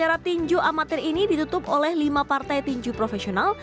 hal hal lainnya juga bisa ditutupi oleh lima partai tinju profesional